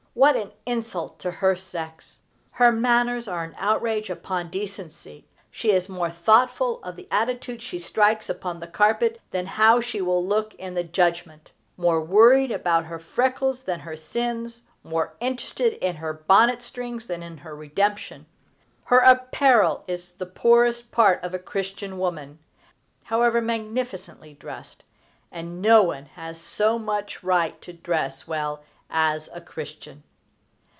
What an insult to her sex! Her manners are an outrage upon decency. She is more thoughtful of the attitude she strikes upon the carpet than how she will look in the judgment; more worried about her freckles than her sins; more interested in her bonnet strings than in her redemption. Her apparel is the poorest part of a Christian woman, however magnificently dressed, and no one has so much right to dress well as a Christian.